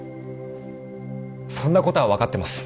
そんなことは分かってます